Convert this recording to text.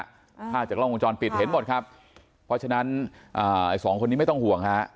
ภาพจากกล้องวงจรปิดเห็นหมดครับเพราะฉะนั้นอ่าไอ้สองคนนี้ไม่ต้องห่วงฮะ